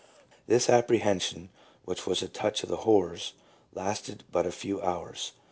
This apprehension, which was a " touch of the horrors," lasted but a few hours.